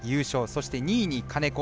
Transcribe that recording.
そして２位に金子。